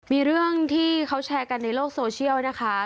มีเรื่องที่เขาแชร์กันในโลกโซเชียลนะคะ